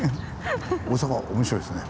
大阪面白いですね。